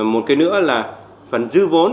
một cái nữa là phần dư vốn